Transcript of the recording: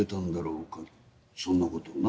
そんなことをな。